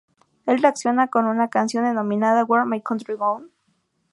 Él reacciona con una canción denominada, "Where My Country Gone?